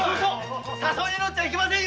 誘いにのっちゃいけませんよ